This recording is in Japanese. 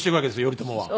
頼朝は。